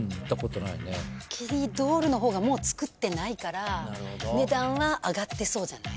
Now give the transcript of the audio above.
ケリードールの方がもう作ってないから値段は上がってそうじゃない？